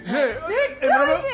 めっちゃおいしい！